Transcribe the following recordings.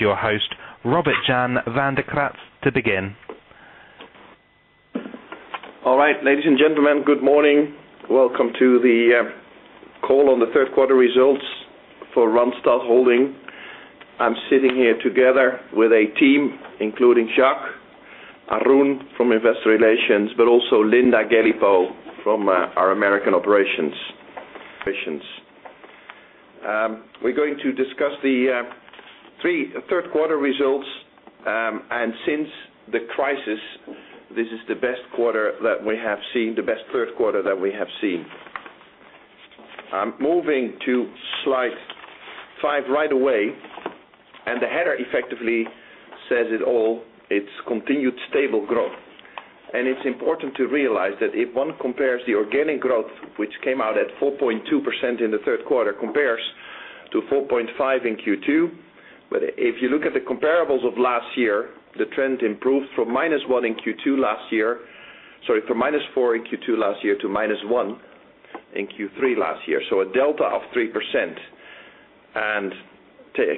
Your host, Robert Jan van de Kraats, to begin. All right. Ladies and gentlemen, good morning. Welcome to the call on the third quarter results for Randstad Holding. I'm sitting here together with a team including Jacques, Arun from Investor Relations, but also Linda Galipeau from our American operations. We're going to discuss the third-quarter results. Since the crisis, this is the best third quarter that we have seen. I'm moving to slide five right away. The header effectively says it all. It's continued stable growth. It's important to realize that if one compares the organic growth, which came out at 4.2% in the third quarter, compares to 4.5% in Q2. If you look at the comparables of last year, the trend improved from -1 in Q2 last year. From -4 in Q2 last year to -1 in Q3 last year. A delta of 3%.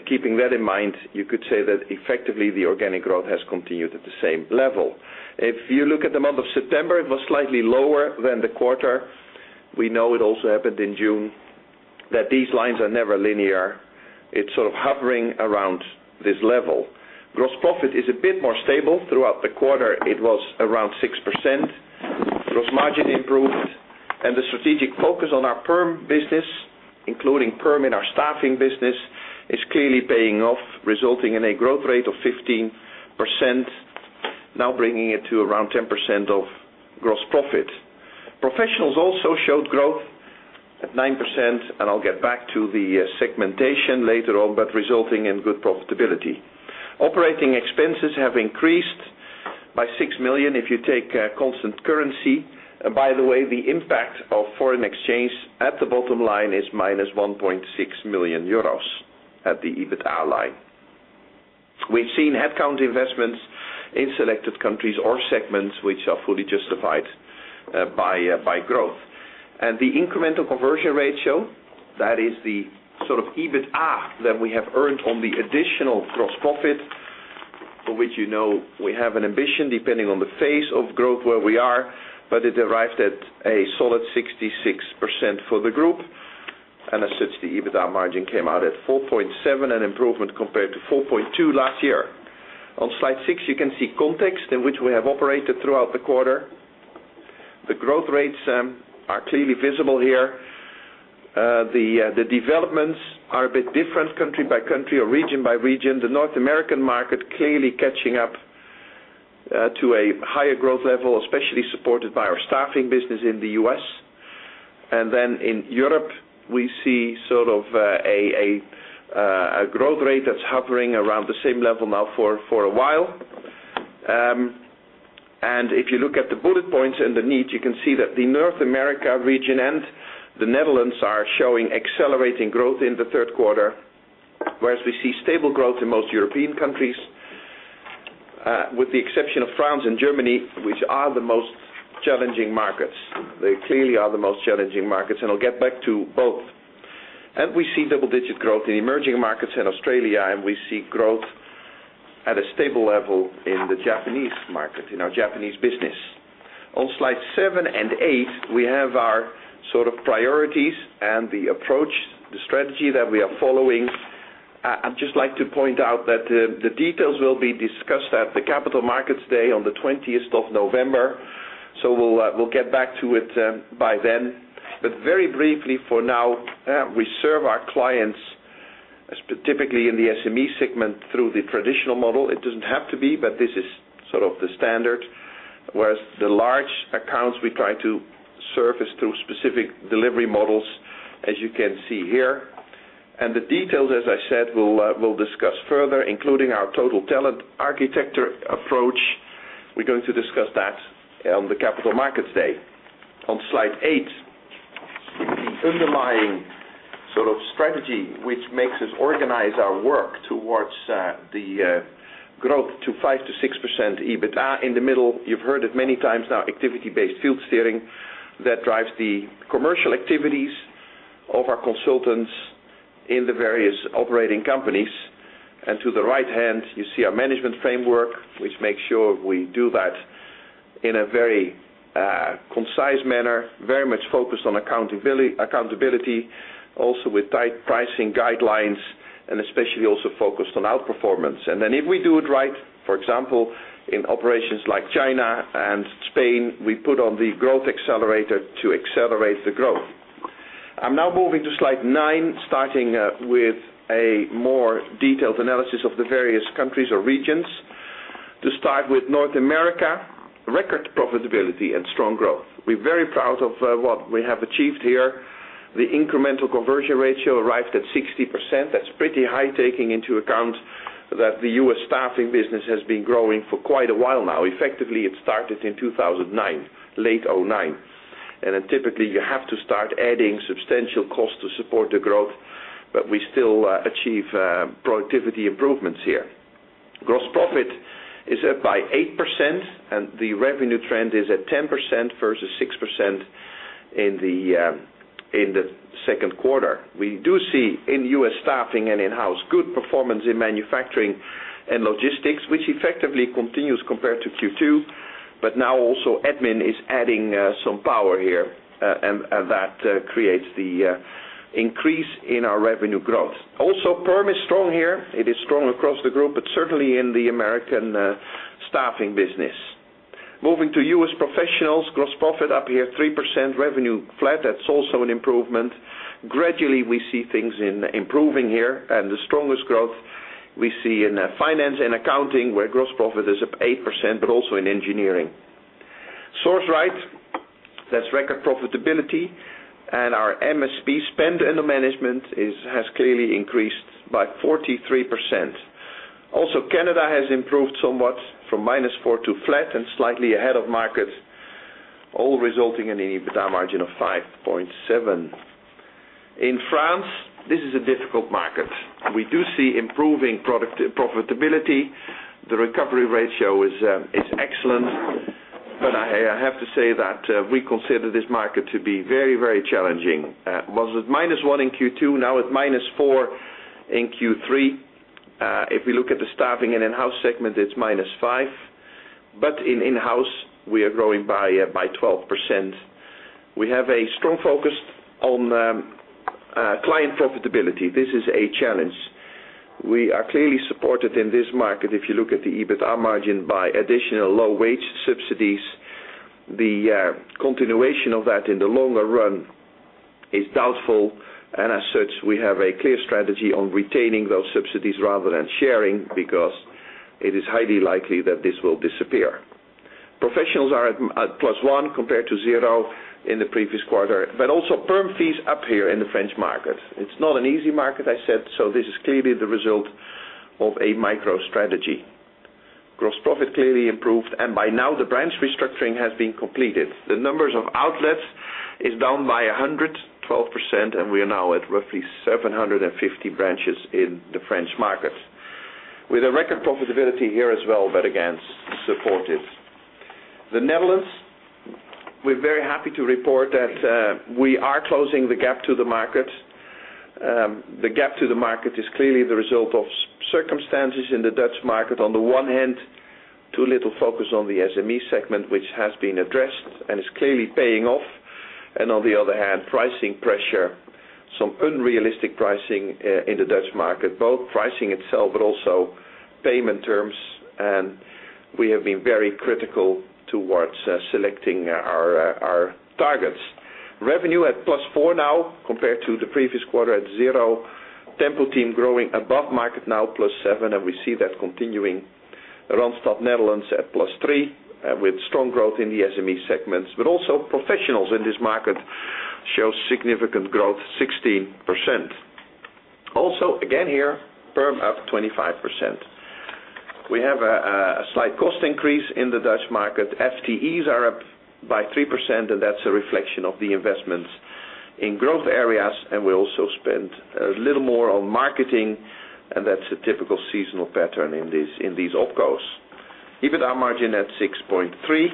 Keeping that in mind, you could say that effectively the organic growth has continued at the same level. If you look at the month of September, it was slightly lower than the quarter. We know it also happened in June that these lines are never linear. It's sort of hovering around this level. Gross profit is a bit more stable. Throughout the quarter, it was around 6%. Gross margin improved and the strategic focus on our perm business, including perm in our staffing business, is clearly paying off, resulting in a growth rate of 15%, now bringing it to around 10% of gross profit. Professionals also showed growth at 9%. I'll get back to the segmentation later on, but resulting in good profitability. Operating expenses have increased by 6 million if you take constant currency. By the way, the impact of foreign exchange at the bottom line is minus 1.6 million euros at the EBITDA line. We've seen headcount investments in selected countries or segments which are fully justified by growth. The incremental conversion ratio, that is the sort of EBITDA that we have earned on the additional gross profit, for which you know we have an ambition, depending on the phase of growth where we are. It arrived at a solid 66% for the group. As such, the EBITDA margin came out at 4.7%, an improvement compared to 4.2% last year. On slide six, you can see context in which we have operated throughout the quarter. The growth rates are clearly visible here. The developments are a bit different country by country or region by region. The North American market clearly catching up to a higher growth level, especially supported by our staffing business in the U.S. In Europe, we see sort of a growth rate that's hovering around the same level now for a while. If you look at the bullet points and the needs, you can see that the North America region and the Netherlands are showing accelerating growth in the third quarter, whereas we see stable growth in most European countries. With the exception of France and Germany, which are the most challenging markets. They clearly are the most challenging markets, I'll get back to both. We see double-digit growth in emerging markets in Australia, we see growth at a stable level in the Japanese market, in our Japanese business. On slides seven and eight, we have our sort of priorities and the approach, the strategy that we are following. I'd just like to point out that the details will be discussed at the Capital Markets Day on the 20th of November. We'll get back to it by then. Very briefly for now, we serve our clients, specifically in the SME segment, through the traditional model. It doesn't have to be, this is sort of the standard. Whereas the large accounts we try to service through specific delivery models, as you can see here. The details, as I said, we'll discuss further, including our total talent architecture approach. We're going to discuss that on the Capital Markets Day. On slide eight, the underlying sort of strategy, which makes us organize our work towards the growth to 5% to 6% EBITDA. In the middle, you've heard it many times now, activity-based field steering that drives the commercial activities of our consultants in the various operating companies. To the right hand, you see our management framework, which makes sure we do that in a very concise manner, very much focused on accountability, also with tight pricing guidelines and especially also focused on outperformance. If we do it right, for example, in operations like China and Spain, we put on the growth accelerator to accelerate the growth. I'm now moving to slide nine, starting with a more detailed analysis of the various countries or regions. To start with North America, record profitability and strong growth. We're very proud of what we have achieved here. The incremental conversion ratio arrived at 60%. That's pretty high, taking into account that the U.S. staffing business has been growing for quite a while now. Effectively, it started in 2009, late 2009. Typically, you have to start adding substantial cost to support the growth, we still achieve productivity improvements here. Gross profit is up by 8%, the revenue trend is at 10% versus 6% in the second quarter. We do see in U.S. staffing and in-house good performance in manufacturing and logistics, which effectively continues compared to Q2. Now also admin is adding some power here, that creates the increase in our revenue growth. Also perm is strong here. It is strong across the group, but certainly in the American staffing business. Moving to U.S. professionals, gross profit up here 3%, revenue flat. That's also an improvement. Gradually, we see things improving here, the strongest growth we see in finance and accounting, where gross profit is up 8%, also in engineering. Sourceright, that's record profitability, our MSP spend under management has clearly increased by 43%. Canada has improved somewhat from -4% to flat and slightly ahead of market, all resulting in an EBITDA margin of 5.7%. In France, this is a difficult market. We do see improving profitability. The recovery ratio is excellent. I have to say that we consider this market to be very challenging. Was at -1% in Q2, now at -4% in Q3. If we look at the staffing and in-house segment, it's -5%. In in-house, we are growing by 12%. We have a strong focus on client profitability. This is a challenge. We are clearly supported in this market, if you look at the EBITDA margin, by additional low-wage subsidies. The continuation of that in the longer run is doubtful. As such, we have a clear strategy on retaining those subsidies rather than sharing, because it is highly likely that this will disappear. Professionals are at +1% compared to 0% in the previous quarter, but also perm fees up here in the French market. It's not an easy market, I said. This is clearly the result of a micro strategy. Gross profit clearly improved. By now the branch restructuring has been completed. The numbers of outlets is down by 112%. We are now at roughly 750 branches in the French market, with a record profitability here as well, but again, supported. The Netherlands, we're very happy to report that we are closing the gap to the market. The gap to the market is clearly the result of circumstances in the Dutch market. On the one hand, too little focus on the SME segment, which has been addressed and is clearly paying off. On the other hand, pricing pressure, some unrealistic pricing in the Dutch market, both pricing itself, but also payment terms. We have been very critical towards selecting our targets. Revenue at +4% now compared to the previous quarter at 0%. Tempo-Team growing above market now +7%. We see that continuing. Randstad Netherlands at +3% with strong growth in the SME segments. Also professionals in this market show significant growth, 16%. Again here, perm up 25%. We have a slight cost increase in the Dutch market. FTEs are up by 3%. That's a reflection of the investments in growth areas. We also spend a little more on marketing, and that's a typical seasonal pattern in these opcos. EBITDA margin at 6.3%.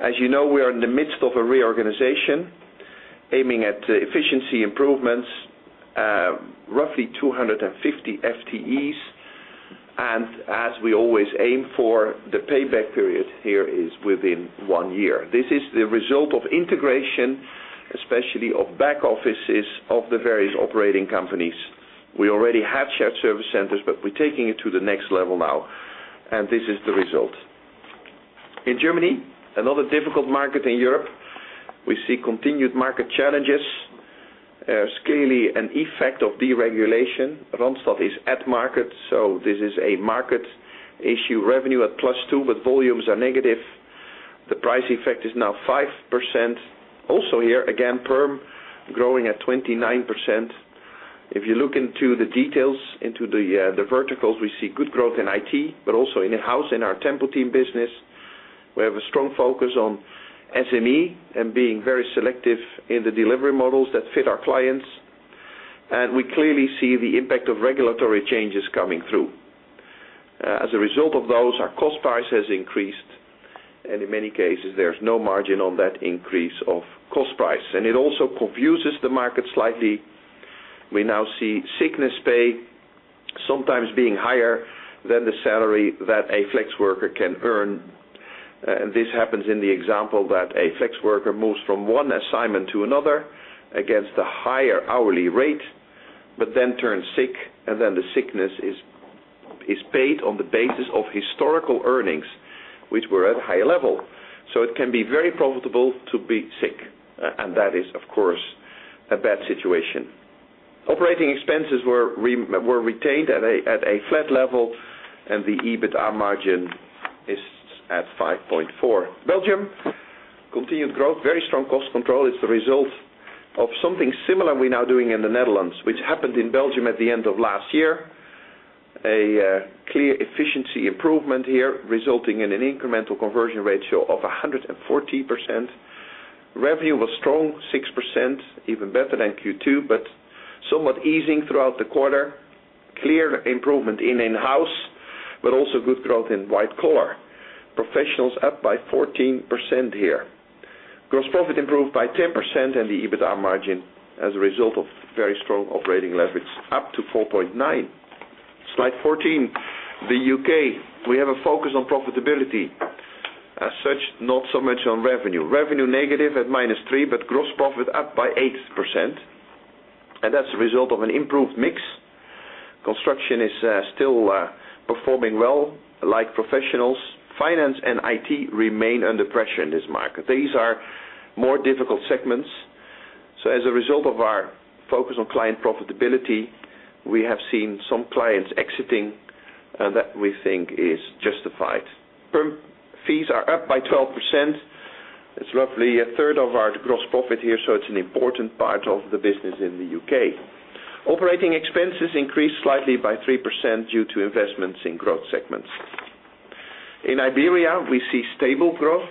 As you know, we are in the midst of a reorganization aiming at efficiency improvements, roughly 250 FTEs. As we always aim for, the payback period here is within one year. This is the result of integration, especially of back offices of the various operating companies. We already have shared service centers, but we're taking it to the next level now, and this is the result. In Germany, another difficult market in Europe. We see continued market challenges, clearly an effect of deregulation. Randstad is at market. This is a market issue. Revenue at +2%, but volumes are negative. The price effect is now 5%. Here, again, perm growing at 29%. If you look into the details, into the verticals, we see good growth in IT, but also in in-house in our Tempo-Team business. We have a strong focus on SME and being very selective in the delivery models that fit our clients. We clearly see the impact of regulatory changes coming through. As a result of those, our cost price has increased, in many cases, there's no margin on that increase of cost price. It also confuses the market slightly. We now see sickness pay sometimes being higher than the salary that a flex worker can earn. This happens in the example that a flex worker moves from one assignment to another against a higher hourly rate, but then turns sick, and then the sickness is paid on the basis of historical earnings, which were at a higher level. It can be very profitable to be sick. That is, of course, a bad situation. Operating expenses were retained at a flat level. The EBITDA margin is at 5.4%. Belgium, continued growth, very strong cost control. It's the result of something similar we're now doing in the Netherlands, which happened in Belgium at the end of last year. A clear efficiency improvement here, resulting in an incremental conversion ratio of 114%. Revenue was strong, 6%, even better than Q2, somewhat easing throughout the quarter. Clear improvement in in-house, also good growth in white collar. Professionals up by 14% here. Gross profit improved by 10%. The EBITDA margin as a result of very strong operating leverage, up to 4.9%. Slide 14. The U.K. We have a focus on profitability. As such, not so much on revenue. Revenue negative at -3%, gross profit up by 8%, and that's a result of an improved mix. Construction is still performing well, like professionals. Finance and IT remain under pressure in this market. These are more difficult segments. As a result of our focus on client profitability, we have seen some clients exiting, that we think is justified. Perm fees are up by 12%. It's roughly a third of our gross profit here, it's an important part of the business in the U.K. Operating expenses increased slightly by 3% due to investments in growth segments. In Iberia, we see stable growth.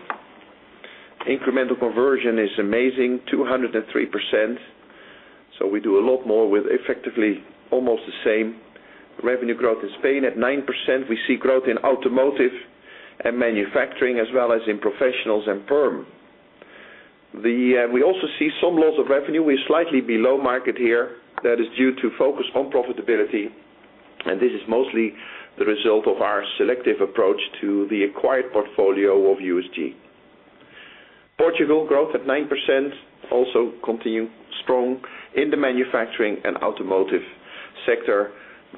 Incremental conversion is amazing, 203%. We do a lot more with effectively almost the same revenue growth as Spain at 9%. We see growth in automotive and manufacturing as well as in professionals and perm. We also see some loss of revenue. We're slightly below market here. That is due to focus on profitability, this is mostly the result of our selective approach to the acquired portfolio of USG. Portugal growth at 9% also continue strong in the manufacturing and automotive sector.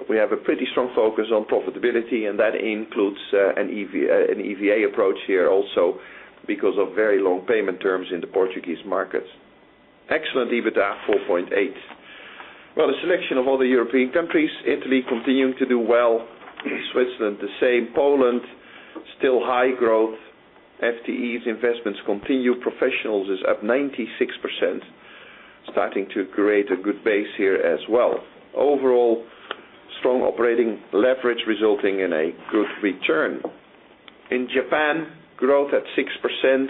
We have a pretty strong focus on profitability, and that includes an EVA approach here also because of very long payment terms in the Portuguese market. Excellent EBITDA, 4.8%. Well, the selection of other European countries, Italy continuing to do well, Switzerland the same. Poland, still high growth. FTEs investments continue. Professionals is up 96%, starting to create a good base here as well. Overall, strong operating leverage resulting in a good return. In Japan, growth at 6%,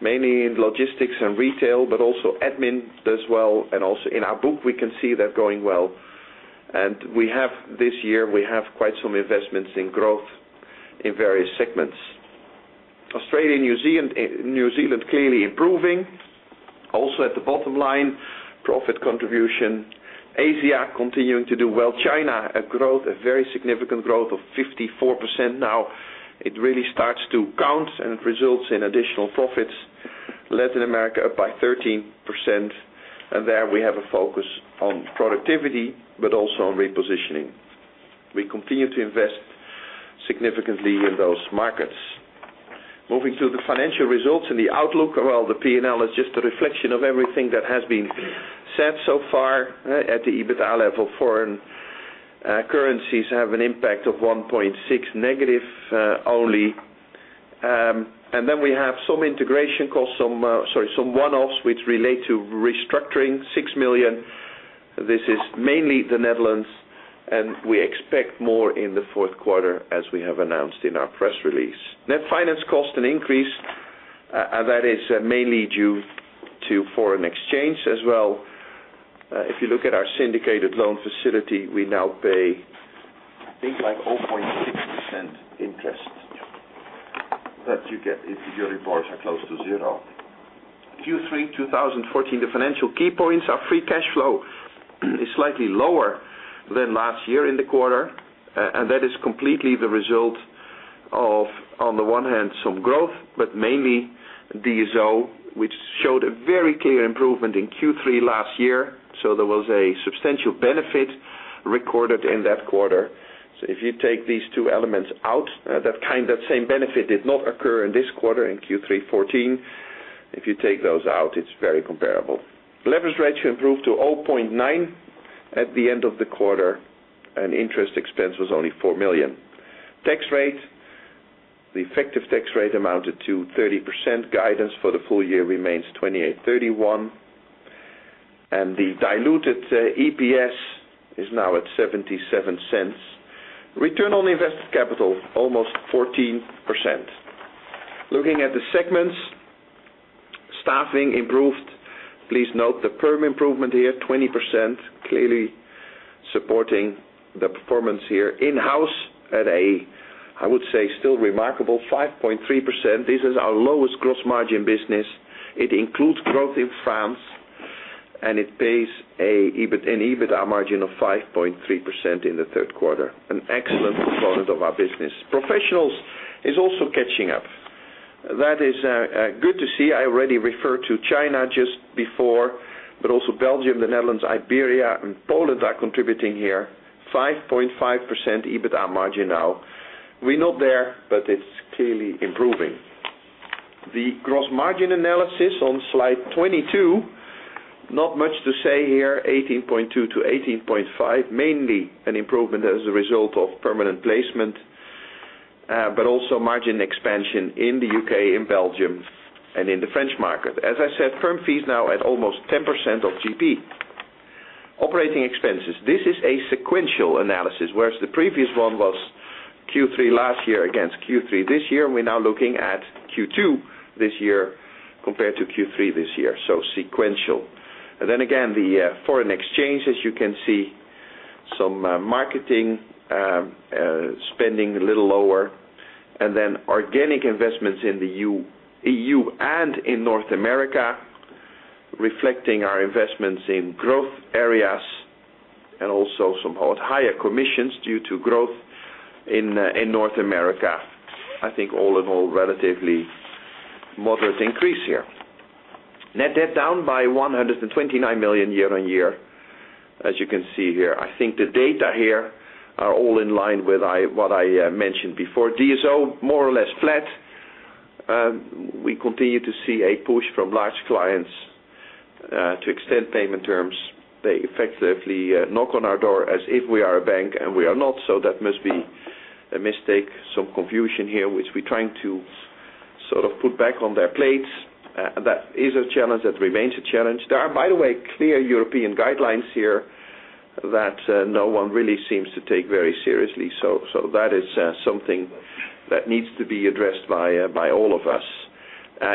mainly in logistics and retail, also admin does well, also in our book, we can see they're going well. This year, we have quite some investments in growth in various segments. Australia and New Zealand, clearly improving. Also at the bottom line, profit contribution. Asia continuing to do well. China, a very significant growth of 54% now. It really starts to count, and it results in additional profits. Latin America up by 13%, and there we have a focus on productivity, but also on repositioning. We continue to invest significantly in those markets. Moving to the financial results and the outlook. Well, the P&L is just a reflection of everything that has been said so far at the EBITDA level. Foreign currencies have an impact of 1.6 negative only. We have some one-offs which relate to restructuring, 6 million. This is mainly the Netherlands, and we expect more in the fourth quarter as we have announced in our press release. Net finance cost an increase, that is mainly due to foreign exchange as well. If you look at our syndicated loan facility, we now pay, I think, like 0.6% interest that you get if your reports are close to zero. Q3 2014, the financial key points are free cash flow is slightly lower than last year in the quarter, and that is completely the result of, on the one hand, some growth, but mainly DSO, which showed a very clear improvement in Q3 last year. There was a substantial benefit recorded in that quarter. If you take these two elements out, that same benefit did not occur in this quarter, in Q3 2014. If you take those out, it's very comparable. Leverage ratio improved to 0.9 at the end of the quarter, and interest expense was only 4 million. Tax rate. The effective tax rate amounted to 30%. Guidance for the full year remains 28%-31%. The diluted EPS is now at 0.77. Return on invested capital, almost 14%. Looking at the segments, staffing improved. Please note the perm improvement here, 20%, clearly supporting the performance here. In-house at a, I would say, still remarkable 5.3%. This is our lowest gross margin business. It includes growth in France, and it pays an EBITDA margin of 5.3% in the third quarter, an excellent component of our business. Professionals is also catching up. That is good to see. I already referred to China just before, but also Belgium, the Netherlands, Iberia and Poland are contributing here. 5.5% EBITDA margin now. We're not there, but it's clearly improving. The gross margin analysis on slide 22. Not much to say here, 18.2%-18.5%, mainly an improvement as a result of permanent placement, but also margin expansion in the U.K., in Belgium, and in the French market. As I said, perm fees now at almost 10% of GP. Operating expenses. This is a sequential analysis, whereas the previous one was Q3 last year against Q3 this year. We're now looking at Q2 this year compared to Q3 this year, so sequential. The foreign exchange, as you can see, some marketing spending, a little lower. Organic investments in the EU and in North America, reflecting our investments in growth areas and also some higher commissions due to growth in North America. I think all in all, relatively moderate increase here. Net debt down by 129 million year-on-year, as you can see here. I think the data here are all in line with what I mentioned before. DSO, more or less flat. We continue to see a push from large clients to extend payment terms. They effectively knock on our door as if we are a bank, and we are not, so that must be a mistake, some confusion here, which we're trying to sort of put back on their plates. That is a challenge. That remains a challenge. There are, by the way, clear European guidelines here that no one really seems to take very seriously. That is something that needs to be addressed by all of us.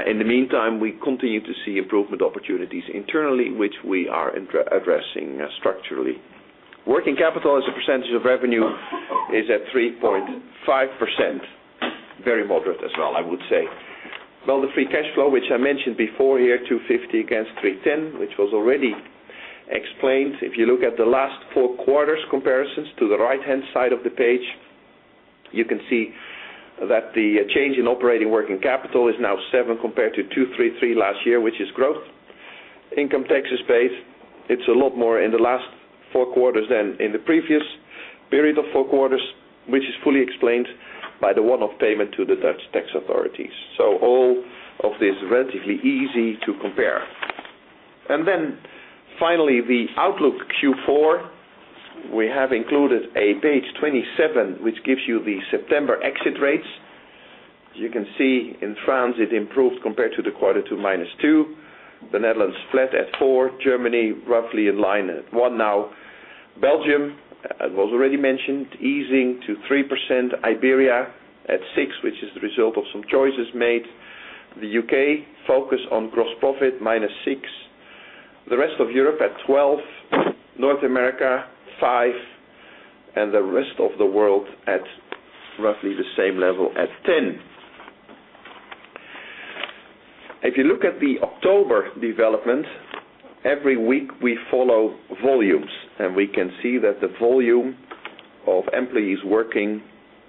In the meantime, we continue to see improvement opportunities internally, which we are addressing structurally. Working capital as a percentage of revenue is at 3.5%. Very moderate as well, I would say. The free cash flow, which I mentioned before here, 250 against 310, which was already explained. If you look at the last four quarters comparisons to the right-hand side of the page, you can see that the change in operating working capital is now seven compared to 233 last year, which is growth. Income taxes paid, it's a lot more in the last four quarters than in the previous period of four quarters, which is fully explained by the one-off payment to the Dutch tax authorities. All of this, relatively easy to compare. Finally, the outlook Q4. We have included a page 27, which gives you the September exit rates. As you can see, in France, it improved compared to the quarter to minus 2%. The Netherlands flat at 4%. Germany, roughly in line at 1% now. Belgium, as was already mentioned, easing to 3%. Iberia at 6%, which is the result of some choices made. The U.K. focused on gross profit, minus 6%. The rest of Europe at 12%. North America, 5%, and the rest of the world at roughly the same level at 10%. If you look at the October development, every week we follow volumes, and we can see that the volume of employees working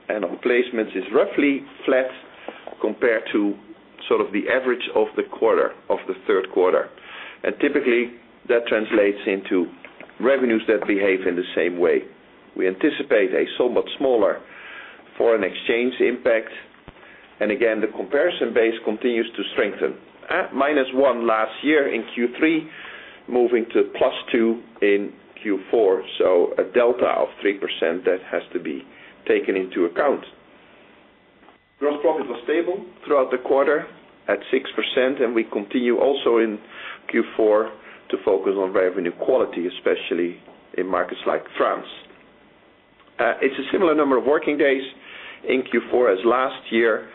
and on placements is roughly flat compared to sort of the average of the third quarter. Typically, that translates into revenues that behave in the same way. We anticipate a somewhat smaller foreign exchange impact. Again, the comparison base continues to strengthen. At minus 1% last year in Q3, moving to plus 2% in Q4, a delta of 3% that has to be taken into account. Gross profit was stable throughout the quarter at 6%, and we continue also in Q4 to focus on revenue quality, especially in markets like France. It's a similar number of working days in Q4 as last year,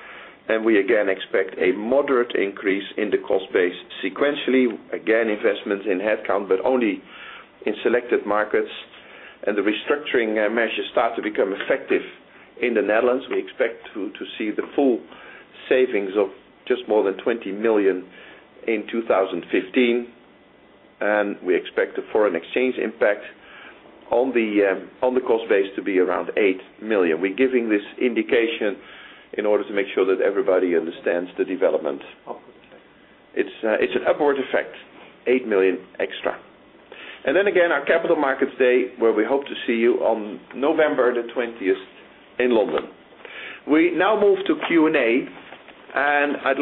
and we again expect a moderate increase in the cost base sequentially. Again, investments in headcount, but only in selected markets. The restructuring measures start to become effective in the Netherlands. We expect to see the full savings of just more than 20 million in 2015, and we expect the foreign exchange impact on the cost base to be around 8 million. We're giving this indication in order to make sure that everybody understands the development. It's an upward effect, 8 million extra. Again, our Capital Markets Day, where we hope to see you on November the 20th in London. We now move to Q&A, and I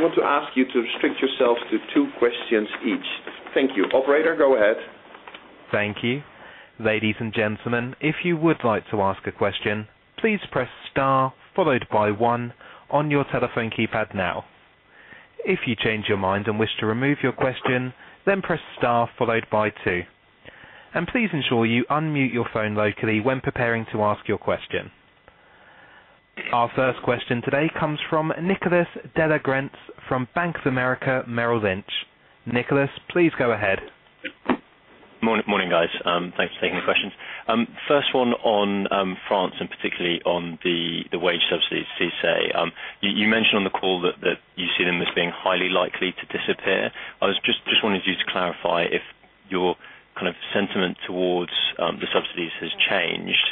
want to ask you to restrict yourselves to two questions each. Thank you. Operator, go ahead. Thank you. Ladies and gentlemen, if you would like to ask a question, please press star followed by one on your telephone keypad now. If you change your mind and wish to remove your question, then press star followed by two. Please ensure you unmute your phone locally when preparing to ask your question. Our first question today comes from Nicolas de La Grense from Bank of America Merrill Lynch. Nicolas, please go ahead. Morning, guys. Thanks for taking the questions. First one on France, and particularly on the wage subsidies, CICE. You mentioned on the call that you see them as being highly likely to disappear. I just wanted you to clarify if your kind of sentiment towards the subsidies has changed,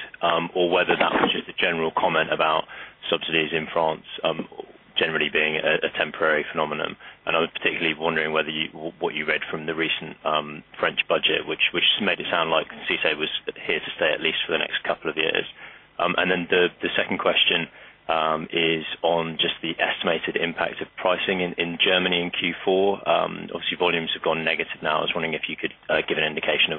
or whether that was just a general comment about subsidies in France generally being a temporary phenomenon. I was particularly wondering what you read from the recent French budget, which has made it sound like CICE was here to stay, at least for the next couple of years. The second question is on just the estimated impact of pricing in Germany in Q4. Obviously, volumes have gone negative now. I was wondering if you could give an indication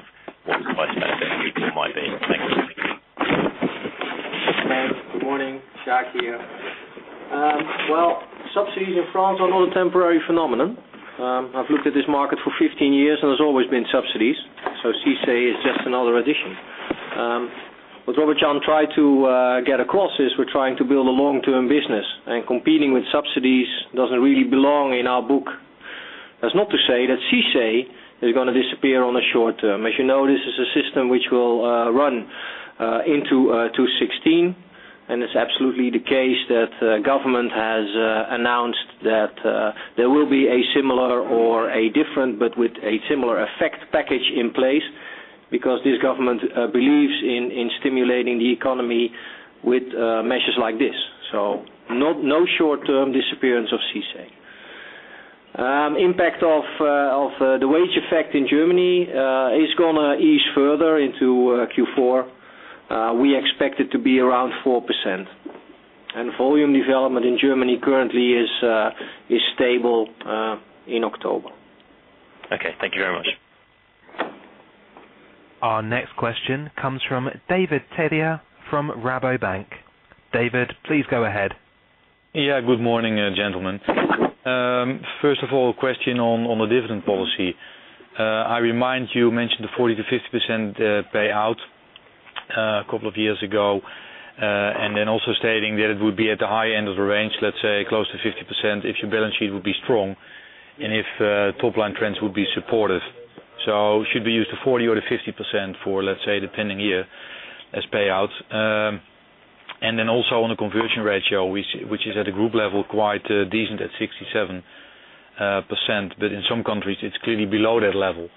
Subsidies in France are not a temporary phenomenon. I've looked at this market for 15 years, and there's always been subsidies, so CICE is just another addition. What Robert Jan tried to get across is we're trying to build a long-term business, and competing with subsidies doesn't really belong in our book. That's not to say that CICE is going to disappear on the short term. As you know, this is a system which will run into 2016, and it's absolutely the case that government has announced that there will be a similar or a different, but with a similar effect package in place, because this government believes in stimulating the economy with measures like this. No short-term disappearance of CICE. Impact of the wage effect in Germany is going to ease further into Q4. We expect it to be around 4%. Volume development in Germany currently is stable in October. Okay. Thank you very much. Our next question comes from David Kerstens from Rabobank. David, please go ahead. Yeah. Good morning, gentlemen. First of all, question on the dividend policy. I remind you, mentioned the 40%-50% payout a couple of years ago, and then also stating that it would be at the high end of the range, let's say close to 50%, if your balance sheet would be strong, and if top-line trends would be supportive. Should we use the 40% or the 50% for, let's say, the pending year as payouts? And then also on the conversion ratio, which is at the group level, quite decent at 67%, but in some countries, it's clearly below that level.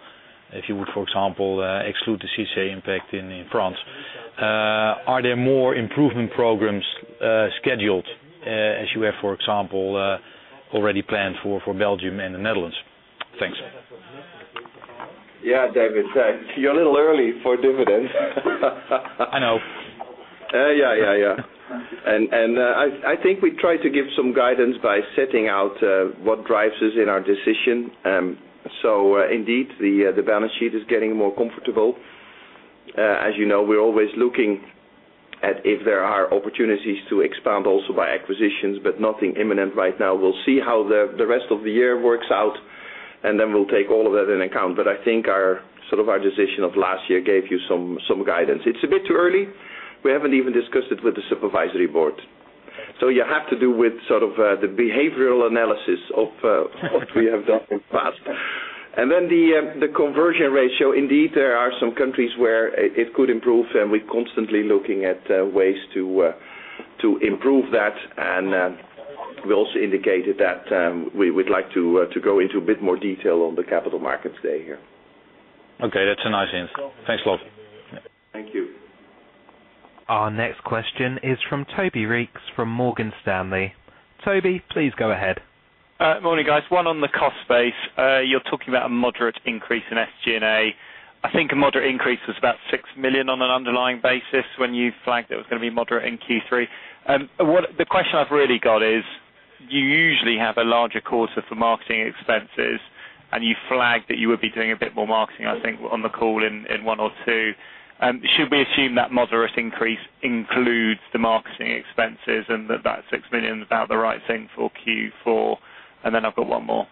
If you would, for example, exclude the CICE impact in France, are there more improvement programs scheduled as you have, for example, already planned for Belgium and the Netherlands? Thanks. Yeah, David, you're a little early for dividends. I know. Yes. I think we try to give some guidance by setting out what drives us in our decision. Indeed, the balance sheet is getting more comfortable. As you know, we're always looking at if there are opportunities to expand also by acquisitions, but nothing imminent right now. We'll see how the rest of the year works out, then we'll take all of that into account. I think our decision of last year gave you some guidance. It's a bit too early. We haven't even discussed it with the supervisory board. You have to do with sort of the behavioral analysis of what we have done in the past. The conversion ratio, indeed, there are some countries where it could improve. We're constantly looking at ways to improve that. We also indicated that we would like to go into a bit more detail on the Capital Markets Day here. Okay, that's a nice answer. Thanks a lot. Thank you. Our next question is from Toby Reeks from Morgan Stanley. Toby, please go ahead. Morning, guys. One on the cost base. You're talking about a moderate increase in SG&A. I think a moderate increase was about 6 million on an underlying basis when you flagged it was going to be moderate in Q3. The question I've really got is, you usually have a larger quarter for marketing expenses, and you flagged that you would be doing a bit more marketing, I think, on the call in one or two. Should we assume that moderate increase includes the marketing expenses and that that 6 million is about the right thing for Q4? Then I've got one more.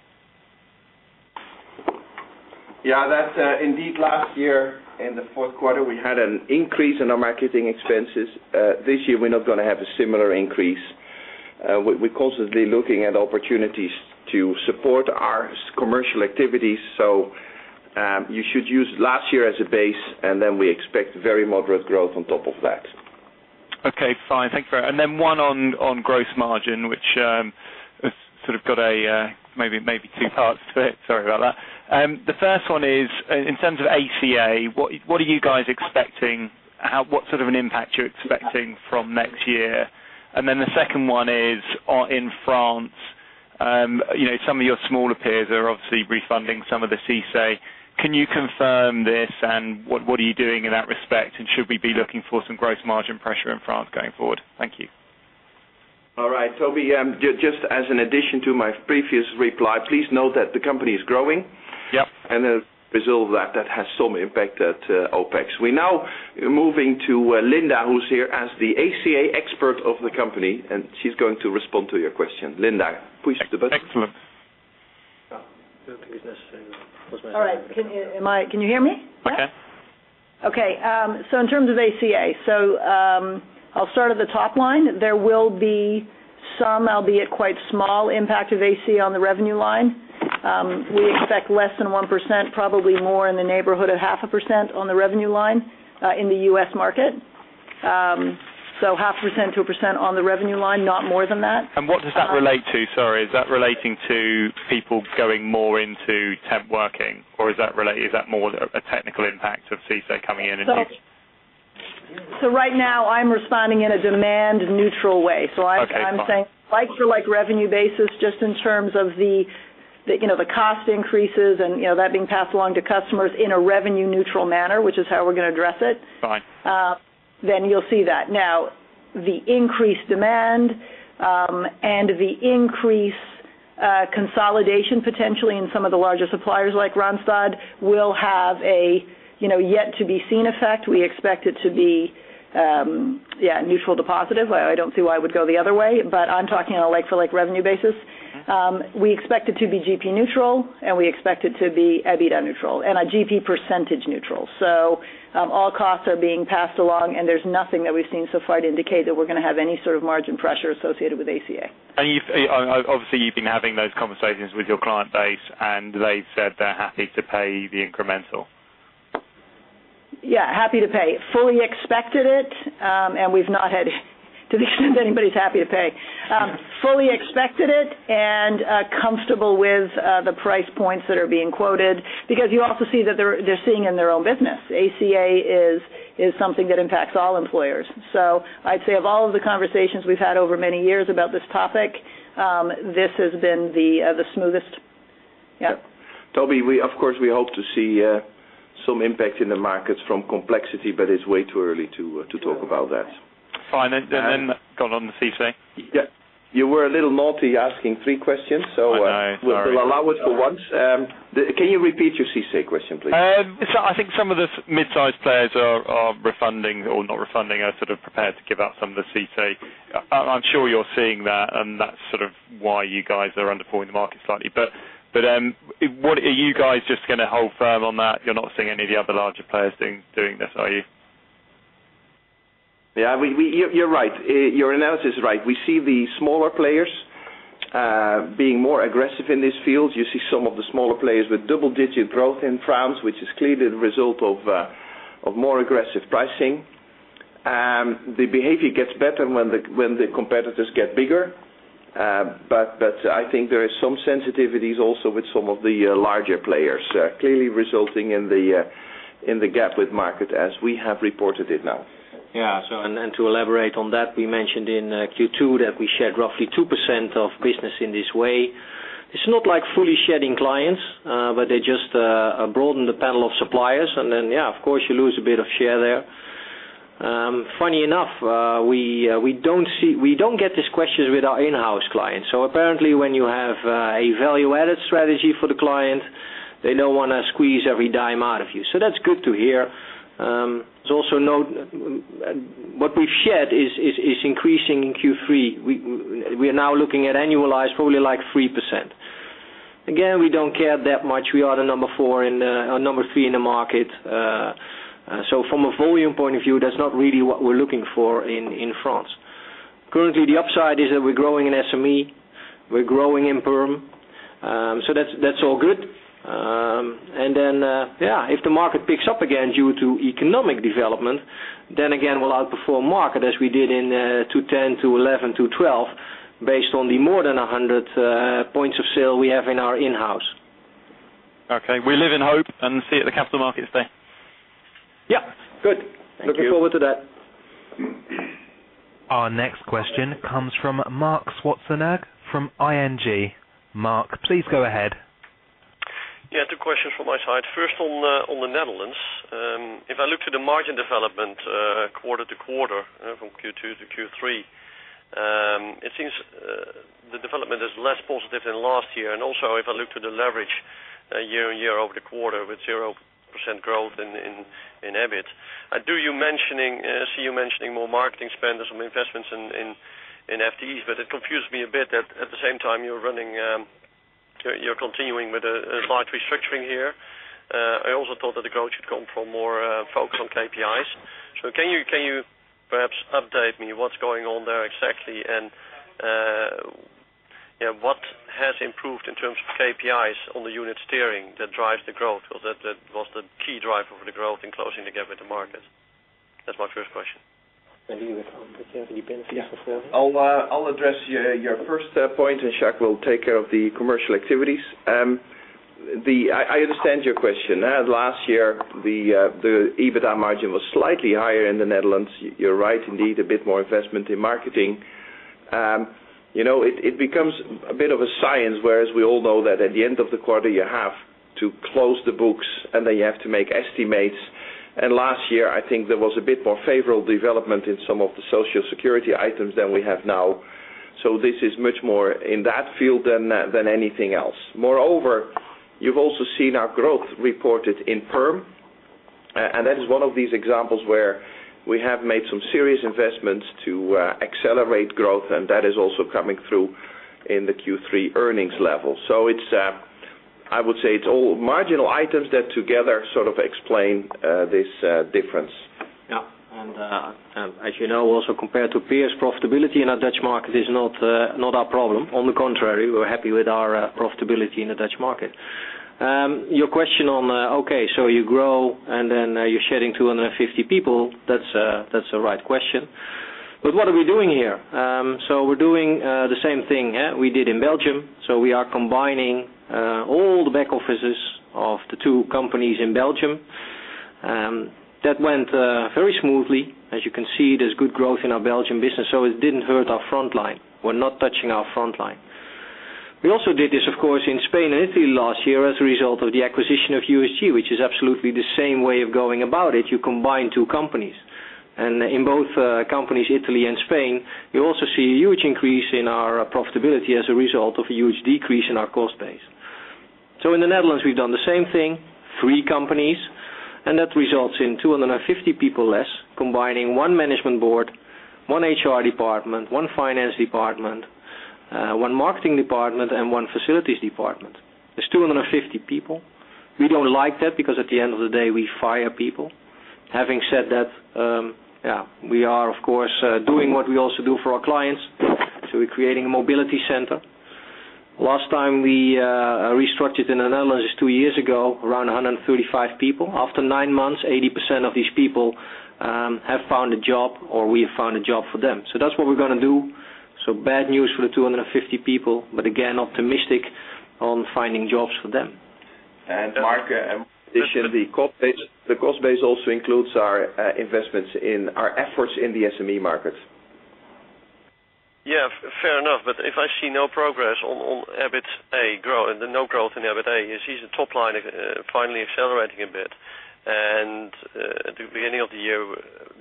Yeah, that's indeed last year in the fourth quarter, we had an increase in our marketing expenses. This year we're not going to have a similar increase. We're constantly looking at opportunities to support our commercial activities. You should use last year as a base, and then we expect very moderate growth on top of that. Okay, fine. Thank you for that. One on gross margin, which has sort of got maybe two parts to it. Sorry about that. The first one is, in terms of ACA, what are you guys expecting? What sort of an impact are you expecting from next year? The second one is in France. Some of your smaller peers are obviously refunding some of the CICE. Can you confirm this, and what are you doing in that respect, and should we be looking for some gross margin pressure in France going forward? Thank you. All right, Toby, just as an addition to my previous reply, please note that the company is growing. Yep. As a result of that has some impact at OpEx. We're now moving to Linda, who's here as the ACA expert of the company, and she's going to respond to your question. Linda, push the button. Excellent. All right. Can you hear me? Okay. Okay. In terms of ACA. I'll start at the top line. There will be some, albeit quite small, impact of ACA on the revenue line. We expect less than 1%, probably more in the neighborhood of half a percent on the revenue line in the U.S. market. Half a percent to a percent on the revenue line, not more than that. What does that relate to? Sorry. Is that relating to people going more into temp working, or is that more a technical impact of CICE coming in? Right now, I'm responding in a demand-neutral way. Okay, fine. I'm saying like for like revenue basis, just in terms of the cost increases and that being passed along to customers in a revenue neutral manner, which is how we're going to address it. Fine. You'll see that. The increased demand, and the increase consolidation potentially in some of the larger suppliers like Randstad will have a yet to be seen effect. We expect it to be neutral to positive. I don't see why it would go the other way, but I'm talking on a like-for-like revenue basis. We expect it to be GP neutral, and we expect it to be EBITDA neutral and a GP percentage neutral. All costs are being passed along, and there's nothing that we've seen so far to indicate that we're going to have any sort of margin pressure associated with ACA. Obviously, you've been having those conversations with your client base, and they said they're happy to pay the incremental. Yeah, happy to pay. Fully expected it, and we've not had to the extent anybody's happy to pay. Fully expected it and comfortable with the price points that are being quoted because you also see that they're seeing in their own business, ACA is something that impacts all employers. I'd say of all of the conversations we've had over many years about this topic, this has been the smoothest. Yep. Toby, of course, we hope to see some impact in the markets from complexity, but it is way too early to talk about that. Fine. Then going on the CC. Yeah. You were a little naughty asking three questions. I know. Sorry. We'll allow it for once. Can you repeat your CC question, please? I think some of the midsize players are refunding or not refunding, are sort of prepared to give out some of the CC. I'm sure you're seeing that's sort of why you guys are under-pulling the market slightly. Are you guys just going to hold firm on that? You're not seeing any of the other larger players doing this, are you? You're right. Your analysis is right. We see the smaller players being more aggressive in this field. You see some of the smaller players with double-digit growth in France, which is clearly the result of more aggressive pricing. The behavior gets better when the competitors get bigger. I think there is some sensitivities also with some of the larger players, clearly resulting in the gap with market as we have reported it now. To elaborate on that, we mentioned in Q2 that we shed roughly 2% of business in this way. It's not like fully shedding clients, they just broaden the panel of suppliers. Of course you lose a bit of share there. Funny enough, we don't get these questions with our in-house clients. Apparently when you have a value-added strategy for the client, they don't want to squeeze every dime out of you. That's good to hear. What we've shed is increasing in Q3. We are now looking at annualized probably like 3%. Again, we don't care that much. We are the number 3 in the market. From a volume point of view, that's not really what we're looking for in France. Currently, the upside is that we're growing in SME, we're growing in perm. That's all good. Yeah, if the market picks up again due to economic development, then again, we'll outperform market as we did in 2010, 2011, 2012 based on the more than 100 points of sale we have in our in-house. Okay. We live in hope and see you at the Capital Markets Day. Yep. Good. Thank you. Looking forward to that. Our next question comes from Marc Zwartsenburg from ING. Mark, please go ahead. Two questions from my side. First on the Netherlands. If I look to the margin development quarter-to-quarter, from Q2 to Q3, it seems the development is less positive than last year. Also, if I look to the leverage year-on-year over the quarter with 0% growth in EBIT. I see you mentioning more marketing spend and some investments in FTEs, but it confused me a bit that at the same time, you're continuing with a slight restructuring here. I also thought that the growth had come from more focus on KPIs. Can you perhaps update me what's going on there exactly? And what has improved in terms of KPIs on the unit steering that drives the growth? Because that was the key driver for the growth in closing the gap with the market. That's my first question. Maybe with Anton. Do you have any benefits of growth? Yeah. I'll address your first point. Jacques will take care of the commercial activities. I understand your question. Last year, the EBITDA margin was slightly higher in the Netherlands. You're right, indeed, a bit more investment in marketing. It becomes a bit of a science, whereas we all know that at the end of the quarter, you have to close the books, and then you have to make estimates. Last year, I think there was a bit more favorable development in some of the Social Security items than we have now. This is much more in that field than anything else. Moreover, you've also seen our growth reported in perm, and that is one of these examples where we have made some serious investments to accelerate growth, and that is also coming through in the Q3 earnings level. I would say it's all marginal items that together sort of explain this difference. Yeah. As you know, also compared to peers, profitability in our Dutch market is not our problem. On the contrary, we're happy with our profitability in the Dutch market. Your question on, okay, you grow and then you're shedding 250 people, that's a right question. What are we doing here? We're doing the same thing we did in Belgium. We are combining all the back offices of the two companies in Belgium. That went very smoothly. As you can see, there's good growth in our Belgium business, so it didn't hurt our frontline. We're not touching our frontline. We also did this, of course, in Spain and Italy last year as a result of the acquisition of USG, which is absolutely the same way of going about it. You combine two companies. In both companies, Italy and Spain, you also see a huge increase in our profitability as a result of a huge decrease in our cost base. In the Netherlands, we've done the same thing, three companies, and that results in 250 people less, combining one management board, one HR department, one finance department, one marketing department, and one facilities department. That's 250 people. We don't like that because at the end of the day, we fire people. Having said that, we are, of course, doing what we also do for our clients. We're creating a mobility center. Last time we restructured in the Netherlands was two years ago, around 135 people. After nine months, 80% of these people have found a job, or we have found a job for them. That's what we're going to do. Bad news for the 250 people, but again, optimistic on finding jobs for them. Marc, in addition, the cost base also includes our investments in our efforts in the SME markets. Yeah, fair enough. If I see no progress on EBITDA growth, no growth in the EBITDA, you see the top line finally accelerating a bit, at the beginning of the year,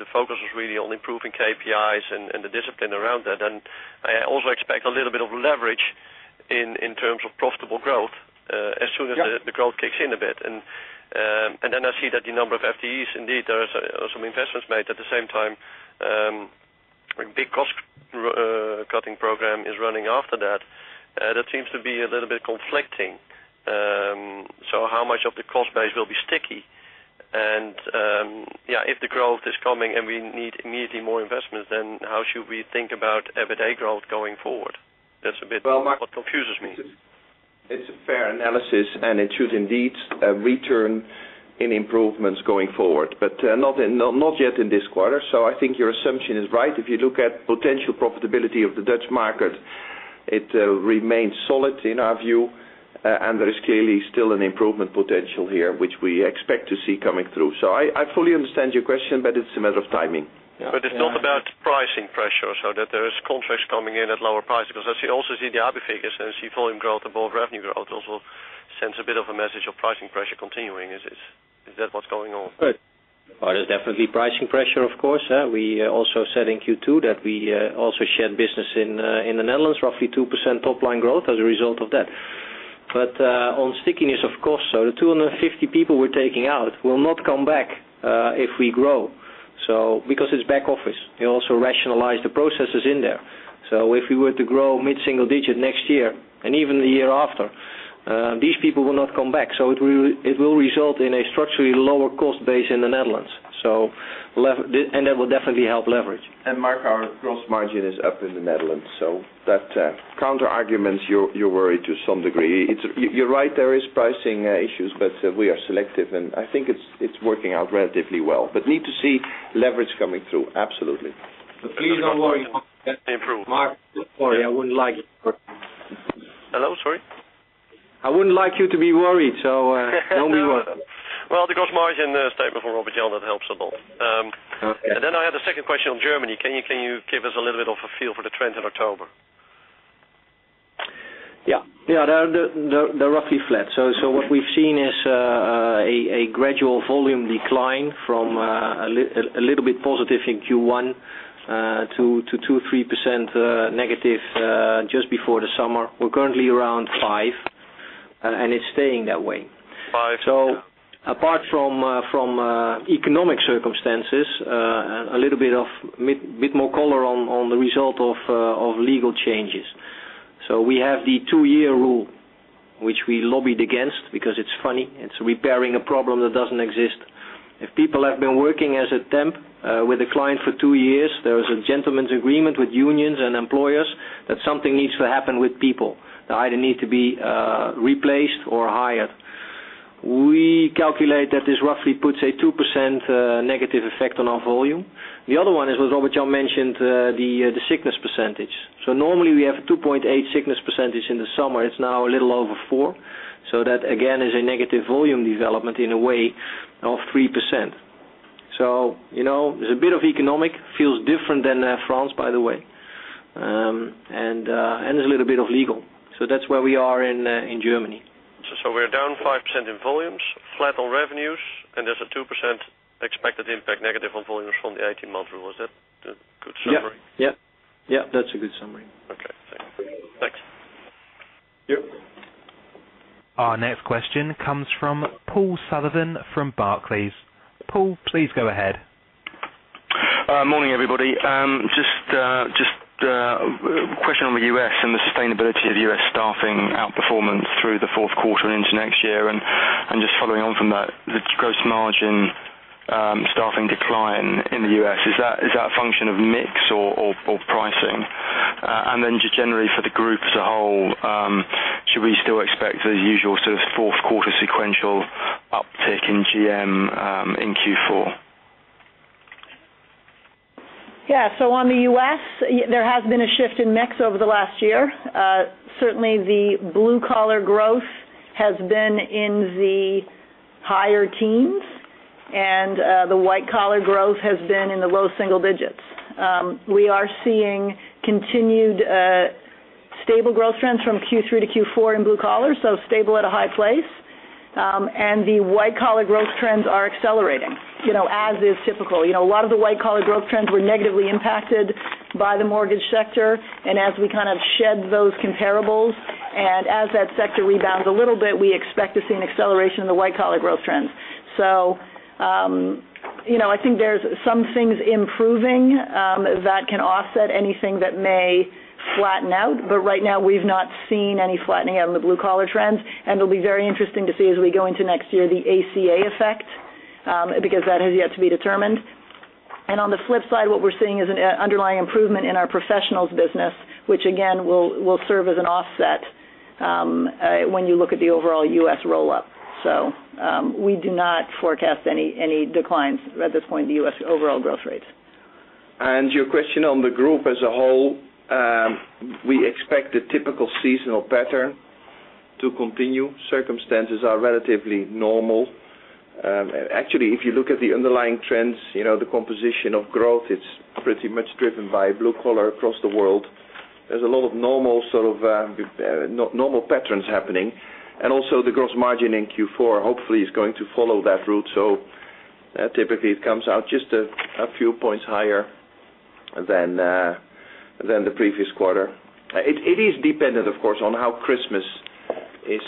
the focus was really on improving KPIs and the discipline around that. I also expect a little bit of leverage in terms of profitable growth as soon as the growth kicks in a bit. I see that the number of FTEs, indeed, there are some investments made at the same time. A big cost-cutting program is running after that. That seems to be a little bit conflicting. How much of the cost base will be sticky? If the growth is coming and we need immediately more investments, how should we think about EBITDA growth going forward? That's a bit what confuses me. It's a fair analysis, it should indeed return in improvements going forward, but not yet in this quarter. I think your assumption is right. If you look at potential profitability of the Dutch market, it remains solid in our view, there is clearly still an improvement potential here, which we expect to see coming through. I fully understand your question, but it's a matter of timing. It's not about pricing pressure, so that there is contracts coming in at lower prices. Because I also see the ABU figures, and I see volume growth above revenue growth also sends a bit of a message of pricing pressure continuing. Is that what's going on? Well, there's definitely pricing pressure, of course. We also said in Q2 that we also shed business in the Netherlands, roughly 2% top line growth as a result of that. On stickiness, of course, so the 250 people we're taking out will not come back if we grow, because it's back office. We also rationalize the processes in there. If we were to grow mid-single digit next year and even the year after, these people will not come back. It will result in a structurally lower cost base in the Netherlands. That will definitely help leverage. Marc, our gross margin is up in the Netherlands. That counterarguments your worry to some degree. You're right, there is pricing issues, but we are selective, and I think it's working out relatively well. Need to see leverage coming through. Absolutely. Please don't worry. Marc, don't worry. I wouldn't like it. Hello, sorry. I wouldn't like you to be worried, so don't be worried. Well, the gross margin statement from Robert Jan, that helps a lot. Okay. I had a second question on Germany. Can you give us a little bit of a feel for the trends in October? Yeah. They're roughly flat. What we've seen is a gradual volume decline from a little bit positive in Q1 to 2%, 3% negative just before the summer. We're currently around 5%, and it's staying that way. Five. Apart from economic circumstances, a little bit more color on the result of legal changes. We have the two-year rule, which we lobbied against because it's funny. It's repairing a problem that doesn't exist. If people have been working as a temp with a client for two years, there is a gentleman's agreement with unions and employers that something needs to happen with people. They either need to be replaced or hired. We calculate that this roughly puts a 2% negative effect on our volume. The other one, as was Robert Jan mentioned, the sickness percentage. Normally, we have a 2.8 sickness percentage in the summer. It's now a little over 4%. That, again, is a negative volume development in a way of 3%. There's a bit of economic, feels different than France, by the way. There's a little bit of legal. That's where we are in Germany. We're down 5% in volumes, flat on revenues, and there's a 2% expected impact negative on volumes from the 18-month rule. Is that a good summary? Yeah. That's a good summary. Okay. Thanks. Yep. Our next question comes from Paul Sullivan from Barclays. Paul, please go ahead. Morning, everybody. Just a question on the U.S. and the sustainability of U.S. staffing outperformance through the fourth quarter and into next year. Just following on from that, the gross margin staffing decline in the U.S., is that a function of mix or pricing? Then just generally for the group as a whole, should we still expect the usual fourth quarter sequential uptick in GM in Q4? On the U.S., there has been a shift in mix over the last year. Certainly, the blue-collar growth has been in the higher teens, and the white-collar growth has been in the low single digits. We are seeing continued stable growth trends from Q3 to Q4 in blue collar, so stable at a high place. The white-collar growth trends are accelerating, as is typical. A lot of the white-collar growth trends were negatively impacted by the mortgage sector. As we shed those comparables and as that sector rebounds a little bit, we expect to see an acceleration in the white-collar growth trends. I think there's some things improving that can offset anything that may flatten out. Right now, we've not seen any flattening on the blue-collar trends. It'll be very interesting to see as we go into next year, the ACA effect, because that has yet to be determined. On the flip side, what we're seeing is an underlying improvement in our professionals business, which again, will serve as an offset when you look at the overall U.S. roll-up. We do not forecast any declines at this point in the U.S. overall growth rates. Your question on the group as a whole, we expect a typical seasonal pattern to continue. Circumstances are relatively normal. Actually, if you look at the underlying trends, the composition of growth, it's pretty much driven by blue collar across the world. There's a lot of normal patterns happening, and also the gross margin in Q4 hopefully is going to follow that route. Typically it comes out just a few points higher than the previous quarter. It is dependent, of course, on how Christmas is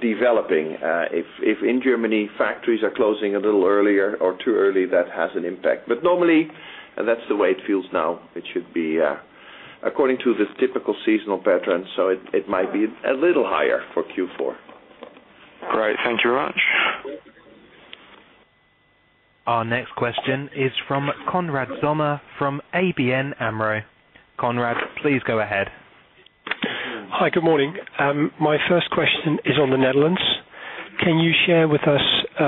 developing. If in Germany, factories are closing a little earlier or too early, that has an impact. Normally, and that's the way it feels now, it should be according to this typical seasonal pattern, so it might be a little higher for Q4. Great. Thank you very much. Our next question is from Conrad Sommer, from ABN AMRO. Conrad, please go ahead. Hi, good morning. My first question is on the Netherlands. Can you share with us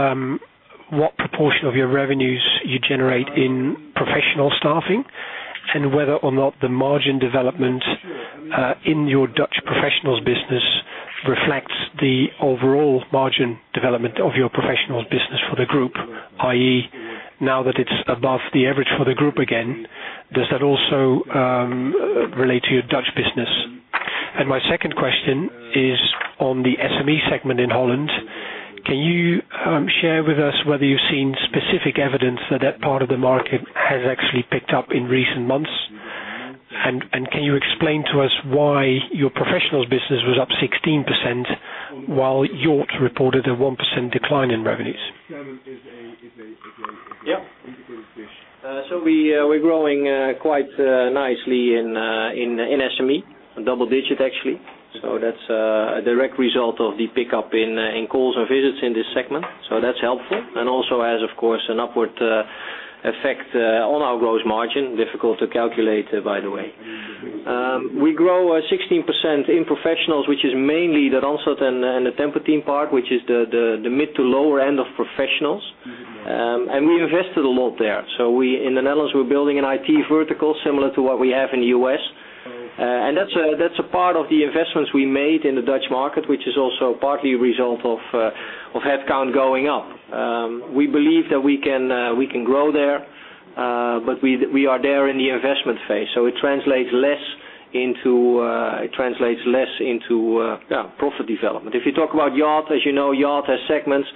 what proportion of your revenues you generate in professional staffing and whether or not the margin development in your Dutch professionals business reflects the overall margin development of your professionals business for the group, i.e., now that it's above the average for the group again, does that also relate to your Dutch business? My second question is on the SME segment in Holland. Can you share with us whether you've seen specific evidence that that part of the market has actually picked up in recent months? Can you explain to us why your professionals business was up 16% while Yacht reported a 1% decline in revenues? We're growing quite nicely in SME, double digit, actually. That's a direct result of the pickup in calls and visits in this segment. That's helpful. Also has, of course, an upward effect on our gross margin. Difficult to calculate, by the way. We grow 16% in professionals, which is mainly the Randstad and the Tempo-Team part, which is the mid to lower end of professionals. We invested a lot there. In the Netherlands, we're building an IT vertical similar to what we have in the U.S. That's a part of the investments we made in the Dutch market, which is also partly a result of headcount going up. We believe that we can grow there, but we are there in the investment phase. It translates less into profit development. If you talk about Yacht, as you know, Yacht has segments,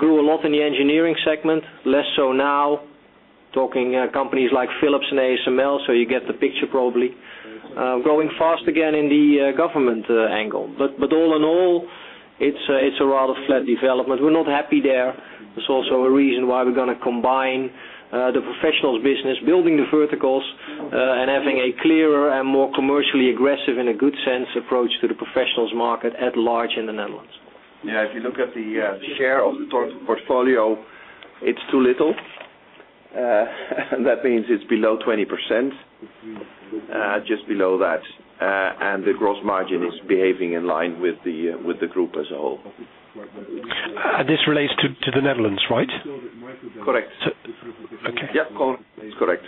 grew a lot in the engineering segment, less so now. Talking companies like Philips and ASML, you get the picture probably. Growing fast again in the government angle. All in all, it's a rather flat development. We're not happy there. There's also a reason why we're going to combine the professionals business, building the verticals, and having a clearer and more commercially aggressive, in a good sense, approach to the professionals market at large in the Netherlands. If you look at the share of the portfolio, it's too little. That means it's below 20%, just below that. The gross margin is behaving in line with the group as a whole. This relates to the Netherlands, right? Correct. Okay. Yeah, correct.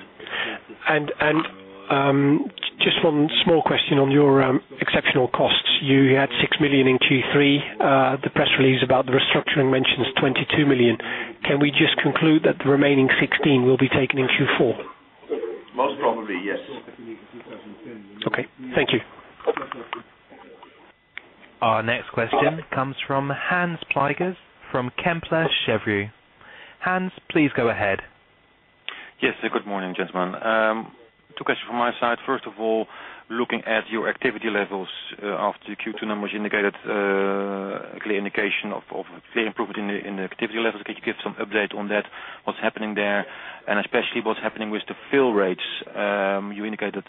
Just one small question on your exceptional costs. You had 6 million in Q3. The press release about the restructuring mentions 22 million. Can we just conclude that the remaining 16 million will be taken in Q4? Most probably, yes. Okay. Thank you. Our next question comes from Hans Pluijgers from Kepler Cheuvreux. Hans, please go ahead. Yes. Good morning, gentlemen. Two questions from my side. First of all, looking at your activity levels after the Q2 numbers indicated a clear indication of clear improvement in the activity levels. Can you give some update on that? What's happening there? Especially what's happening with the fill rates. You indicated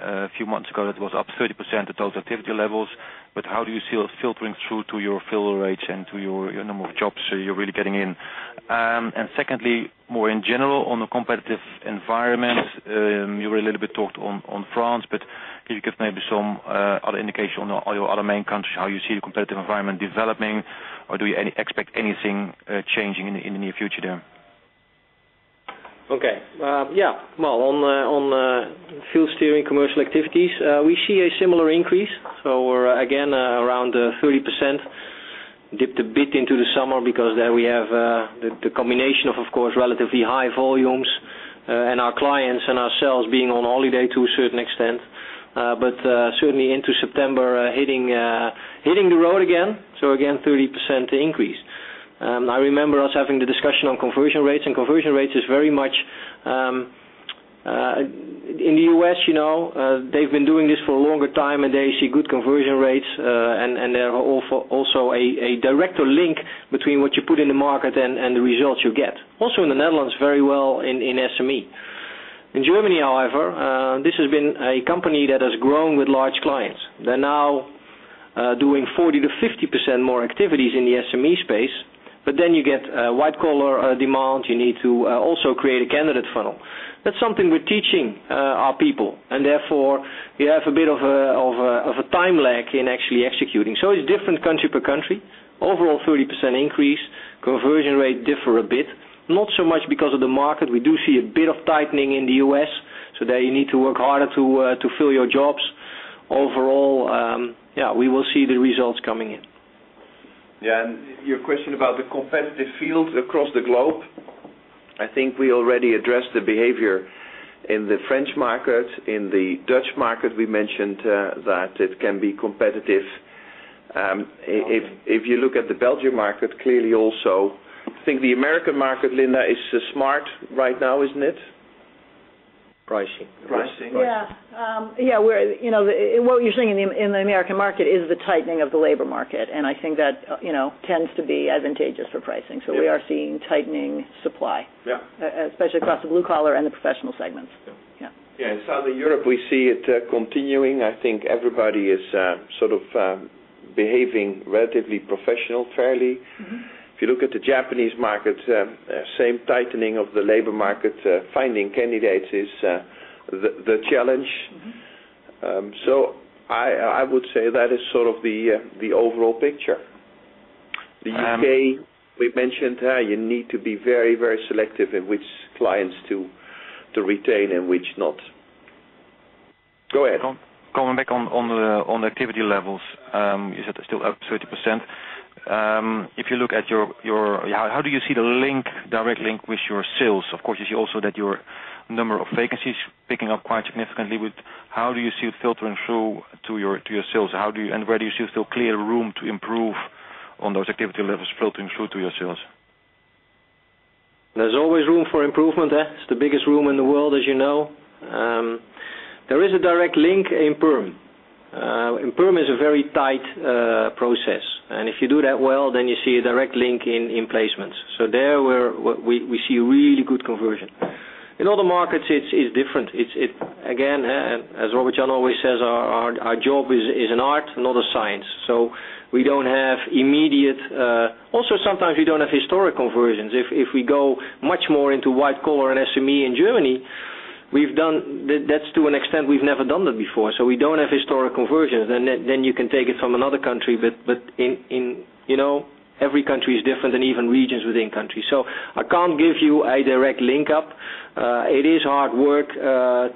a few months ago that it was up 30% at those activity levels. How do you see it filtering through to your fill rates and to your number of jobs you're really getting in? Secondly, more in general on the competitive environment. You were a little bit talked on France, but can you give maybe some other indication on your other main countries, how you see the competitive environment developing, or do you expect anything changing in the near future there? Okay. Yeah. Well, on field steering commercial activities, we see a similar increase. We're again around 30%. We dipped a bit into the summer because there we have the combination of course, relatively high volumes and our clients and ourselves being on holiday to a certain extent. Certainly into September, we are hitting the road again. Again, 30% increase. I remember us having the discussion on conversion rates, and conversion rates is very much. In the U.S., they've been doing this for a longer time, and they see good conversion rates, and there are also a direct link between what you put in the market and the results you get. Also, in the Netherlands, very well in SME. In Germany, however, this has been a company that has grown with large clients. They're now doing 40%-50% more activities in the SME space. You get white-collar demand. You need to also create a candidate funnel. That's something we're teaching our people. We have a bit of a time lag in actually executing. It's different country per country. Overall, 30% increase. Conversion rate differ a bit. Not so much because of the market. We do see a bit of tightening in the U.S. There you need to work harder to fill your jobs. Overall, yeah, we will see the results coming in. Yeah. Your question about the competitive field across the globe, I think we already addressed the behavior in the French market. In the Dutch market, we mentioned that it can be competitive. If you look at the Belgium market, clearly also. I think the American market, Linda, is smart right now, isn't it? Pricing. Pricing. Yeah. What you're seeing in the American market is the tightening of the labor market. I think that tends to be advantageous for pricing. Yeah. We are seeing tightening supply. Yeah. Especially across the blue collar and the professional segments. Yeah. Yeah. Yeah. In Southern Europe, we see it continuing. I think everybody is behaving relatively professional, fairly. If you look at the Japanese market, same tightening of the labor market. Finding candidates is the challenge. I would say that is sort of the overall picture. The U.K., we've mentioned, you need to be very selective in which clients to retain and which not. Go ahead. Going back on the activity levels, you said they're still up 30%. How do you see the direct link with your sales? Of course, you see also that your number of vacancies picking up quite significantly with How do you see it filtering through to your sales? Where do you see still clear room to improve on those activity levels filtering through to your sales? There's always room for improvement. It's the biggest room in the world, as you know. There is a direct link in perm. Perm is a very tight process, if you do that well, then you see a direct link in placements. There we see really good conversion. In other markets, it's different. As Robert Jan always says, our job is an art, not a science. We don't have immediate Also, sometimes we don't have historic conversions. If we go much more into white collar and SME in Germany, that's to an extent we've never done that before. We don't have historic conversions. You can take it from another country, but every country is different than even regions within countries. I can't give you a direct link-up. It is hard work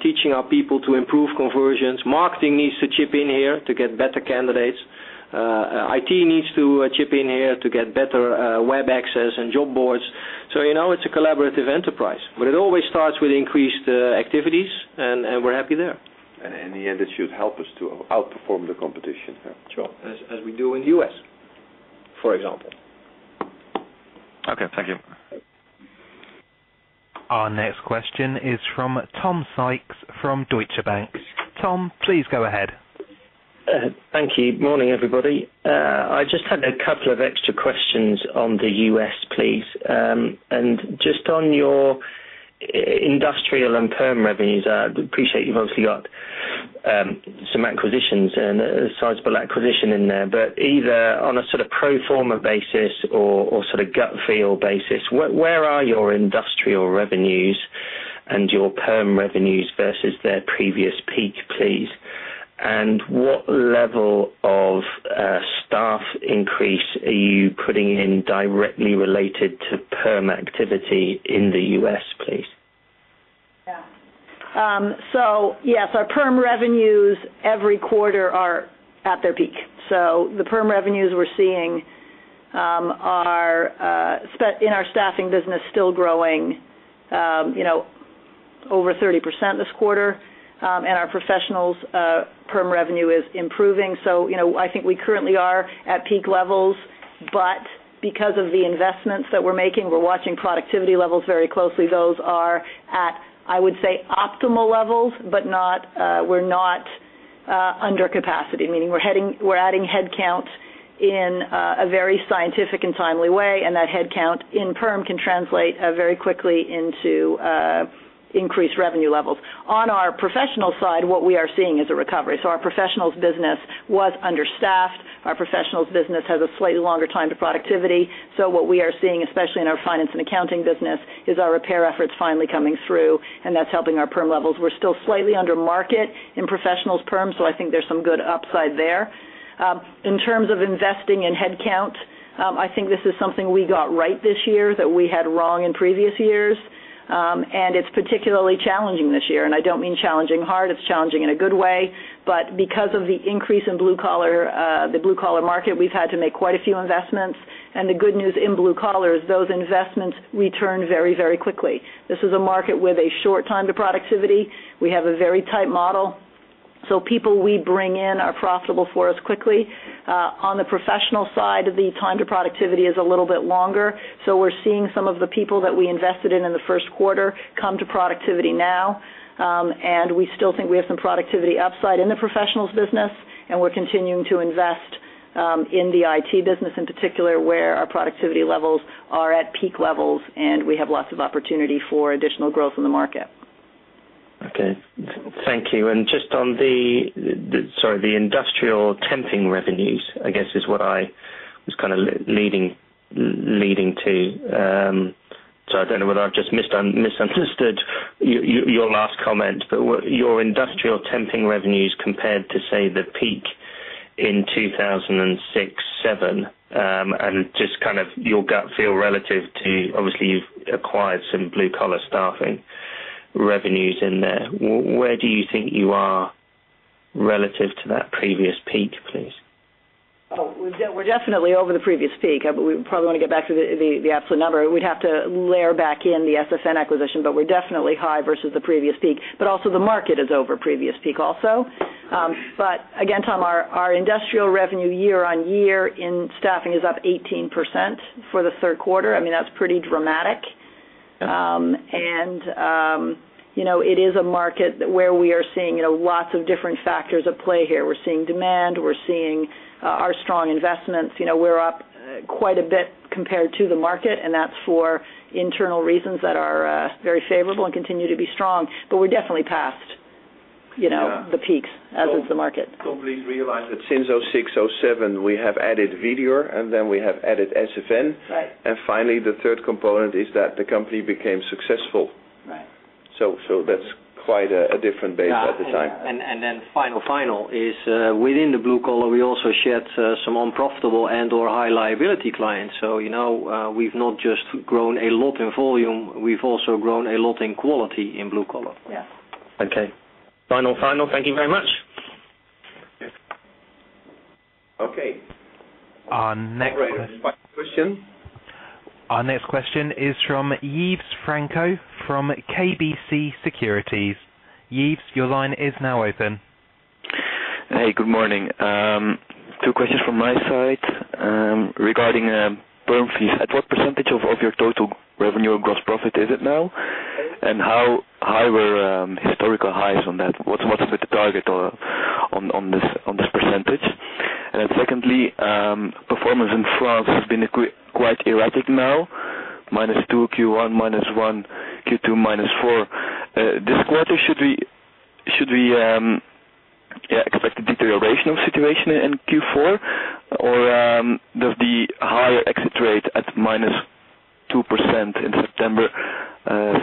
teaching our people to improve conversions. Marketing needs to chip in here to get better candidates. IT needs to chip in here to get better web access and job boards. It's a collaborative enterprise, but it always starts with increased activities, and we're happy there. In the end, it should help us to outperform the competition. Sure. As we do in the U.S., for example. Okay. Thank you. Our next question is from Tom Sykes from Deutsche Bank. Tom, please go ahead. Thank you. Morning, everybody. I just had a couple of extra questions on the U.S., please. Just on your industrial and perm revenues, I appreciate you've obviously got some acquisitions and a sizable acquisition in there, but either on a sort of pro forma basis or sort of gut feel basis, where are your industrial revenues and your perm revenues versus their previous peak, please? What level of staff increase are you putting in directly related to perm activity in the U.S., please? Yeah. Yes, our perm revenues every quarter are at their peak. The perm revenues we're seeing are, in our staffing business, still growing over 30% this quarter. Our professionals perm revenue is improving. I think we currently are at peak levels, but because of the investments that we're making, we're watching productivity levels very closely. Those are at, I would say, optimal levels, but we're not under capacity, meaning we're adding headcount in a very scientific and timely way, and that headcount in perm can translate very quickly into increased revenue levels. On our professional side, what we are seeing is a recovery. Our professionals business was understaffed. Our professionals business has a slightly longer time to productivity. What we are seeing, especially in our finance and accounting business, is our repair efforts finally coming through, and that's helping our perm levels. We're still slightly under market in professionals perm, so I think there's some good upside there. In terms of investing in headcount, I think this is something we got right this year that we had wrong in previous years. It's particularly challenging this year, and I don't mean challenging hard, it's challenging in a good way. Because of the increase in the blue-collar market, we've had to make quite a few investments. The good news in blue collar is those investments return very quickly. This is a market with a short time to productivity. We have a very tight model, so people we bring in are profitable for us quickly. On the professional side, the time to productivity is a little bit longer. We're seeing some of the people that we invested in the first quarter come to productivity now, and we still think we have some productivity upside in the professionals business, and we're continuing to invest in the IT business in particular, where our productivity levels are at peak levels, and we have lots of opportunity for additional growth in the market. Okay. Thank you. Just on the industrial temping revenues, I guess, is what I was leading to. I don't know whether I've just misunderstood your last comment, but your industrial temping revenues compared to, say, the peak in 2006, 2007, and just your gut feel relative to, obviously, you've acquired some blue-collar staffing revenues in there. Where do you think you are relative to that previous peak, please? Oh, we're definitely over the previous peak. We probably want to get back to the absolute number. We'd have to layer back in the SFN acquisition, we're definitely high versus the previous peak. Also the market is over previous peak also. Again, Tom, our industrial revenue year-on-year in staffing is up 18% for the third quarter. That's pretty dramatic. Yeah. It is a market where we are seeing lots of different factors at play here. We're seeing demand, we're seeing our strong investments. We're up quite a bit compared to the market, and that's for internal reasons that are very favorable and continue to be strong. We're definitely past the peaks, as is the market. Please realize that since 2006, 2007, we have added Vedior, and then we have added SFN. Right. Finally, the third component is that the company became successful. Right. That's quite a different base at the time. Yeah. Final is within the blue collar, we also shed some unprofitable and/or high liability clients. We've not just grown a lot in volume, we've also grown a lot in quality in blue collar. Yeah. Okay. Final thank you very much. Okay. Our next question. Operator, next question. Our next question is from Yves Franco, from KBC Securities. Yves, your line is now open. Hey, good morning. Two questions from my side regarding perm fees. At what % of your total revenue or gross profit is it now? How high were historical highs on that? What is the target on this %? Secondly, performance in France has been quite erratic now, minus 2% Q1, minus 1% Q2, minus 4%. This quarter, should we expect a deterioration of situation in Q4? Does the higher exit rate at minus 2% in September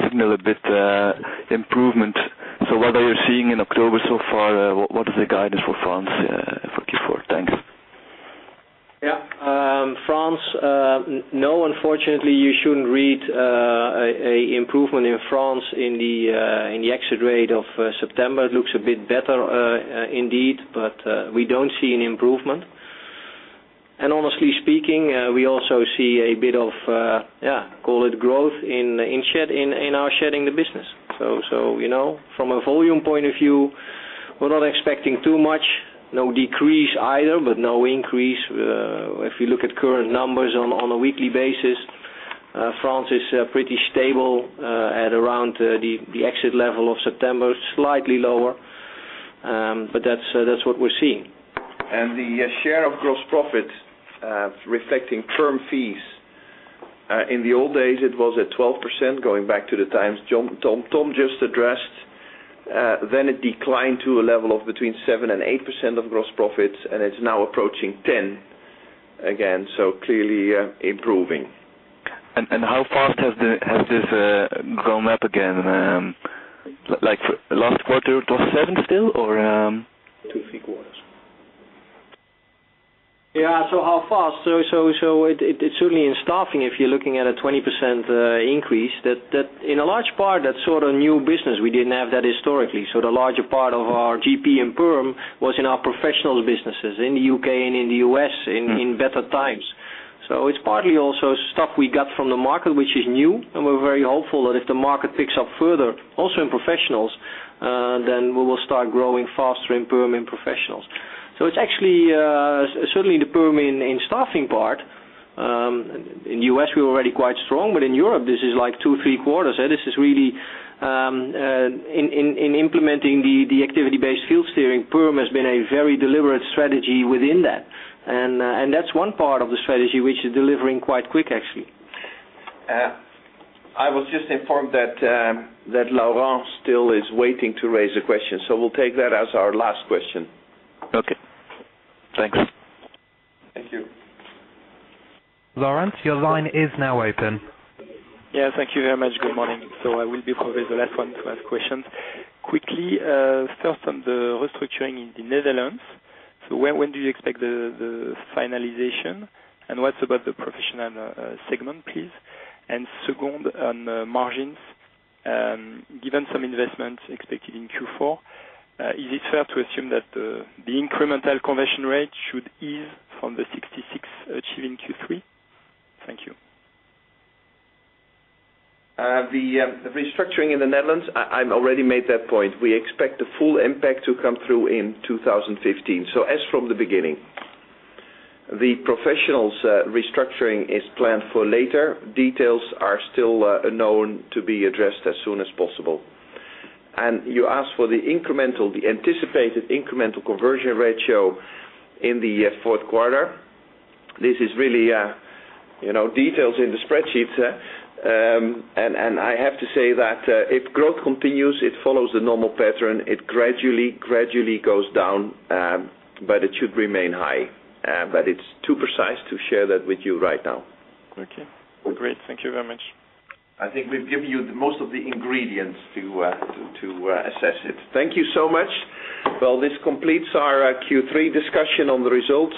signal a bit improvement? What are you seeing in October so far? What is the guidance for France for Q4? Thanks. Yeah. France, no, unfortunately, you shouldn't read an improvement in France in the exit rate of September. It looks a bit better indeed, but we don't see an improvement. Honestly speaking, we also see a bit of, call it growth, in our shedding the business. From a volume point of view, we're not expecting too much. No decrease either, but no increase. If you look at current numbers on a weekly basis, France is pretty stable at around the exit level of September, slightly lower. That's what we're seeing. The share of gross profit, reflecting firm fees. In the old days, it was at 12%, going back to the times Tom just addressed. It declined to a level of between 7% and 8% of gross profits, and it's now approaching 10 again. Clearly, improving. How fast has this gone up again? Like for last quarter, it was seven still or Two, three quarters. Yeah. How fast? It's certainly in staffing, if you're looking at a 20% increase, that in a large part, that's sort of new business. We didn't have that historically. The larger part of our GP in perm was in our professionals businesses in the U.K. and in the U.S. in better times. It's partly also stuff we got from the market, which is new, and we're very hopeful that if the market picks up further, also in professionals, then we will start growing faster in perm in professionals. It's actually, certainly the perm in staffing part. In U.S., we're already quite strong, but in Europe, this is like two, three quarters. This is really in implementing the activity-based field steering. Perm has been a very deliberate strategy within that. That's one part of the strategy which is delivering quite quick, actually. I was just informed that Laurent still is waiting to raise a question, so we'll take that as our last question. Okay. Thanks. Thank you. Laurent, your line is now open. Thank you very much. Good morning. I will be probably the last one to ask questions. Quickly, first on the restructuring in the Netherlands. When do you expect the finalization, and what about the professional segment, please? Second, on margins, given some investments expected in Q4, is it fair to assume that the incremental conversion ratio should ease from the 66 achieved in Q3? Thank you. The restructuring in the Netherlands, I already made that point. We expect the full impact to come through in 2015. As from the beginning. The professionals restructuring is planned for later. Details are still known to be addressed as soon as possible. You asked for the anticipated incremental conversion ratio in the fourth quarter. This is really details in the spreadsheets. I have to say that if growth continues, it follows the normal pattern. It gradually goes down, but it should remain high. It's too precise to share that with you right now. Great. Thank you very much. I think we've given you the most of the ingredients to assess it. Thank you so much. This completes our Q3 discussion on the results.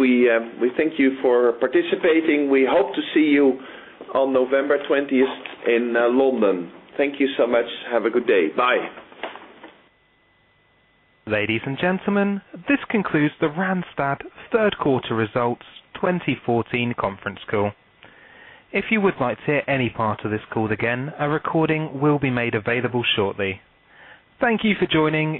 We thank you for participating. We hope to see you on November 20th in London. Thank you so much. Have a good day. Bye. Ladies and gentlemen, this concludes the Randstad Third Quarter Results 2014 conference call. If you would like to hear any part of this call again, a recording will be made available shortly. Thank you for joining.